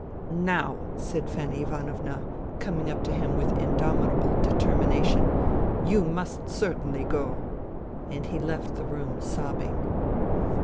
" Now,'* said Fanny Ivanovna, coming up to him with indomitable determination, " you must certainly go." And he left the room, sobbing.